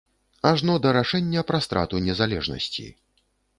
Ажно да рашэння пра страту незалежнасці.